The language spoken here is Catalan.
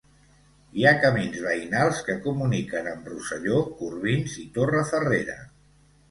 Hi ha camins veïnals que comuniquen amb Rosselló, Corbins i Torrefarrera.